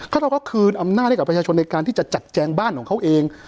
เราก็คืนอำนาจให้กับประชาชนในการที่จะจัดแจงบ้านของเขาเอง